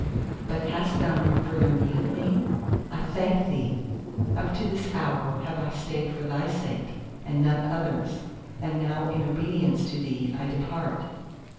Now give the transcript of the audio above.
But hast Thou no further need of me? I thank Thee! Up to this hour have I stayed for Thy sake and none other's: and now in obedience to Thee I depart.